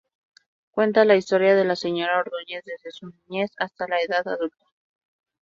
Cuenta la historia de la Señora Ordóñez desde su niñez hasta la edad adulta.